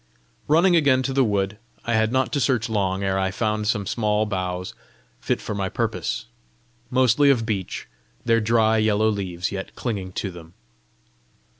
Running again to the wood, I had not to search long ere I found some small boughs fit for my purpose mostly of beech, their dry yellow leaves yet clinging to them.